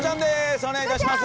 お願いいたします！